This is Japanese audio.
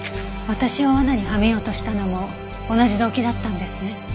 私を罠にはめようとしたのも同じ動機だったんですね。